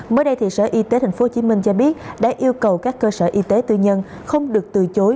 mới đây sở y tế tp hcm cho biết đã yêu cầu các cơ sở y tế tư nhân không được từ chối